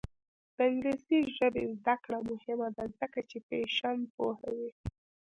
د انګلیسي ژبې زده کړه مهمه ده ځکه چې فیشن پوهوي.